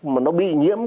mà nó bị nhiễm